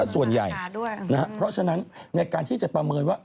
ส่วนใหญ่เพราะฉะนั้นในการที่จะประเมินว่า